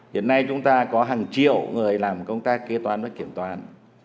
hiện nay chúng ta có hàng triệu người làm công tác kế toán và kiểm toán